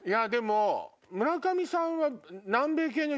村上さんは。